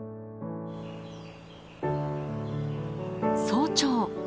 早朝。